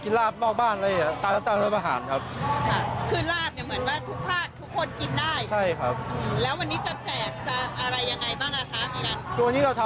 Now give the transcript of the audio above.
ก็เป็นสูตรทางภาคอีสานครับ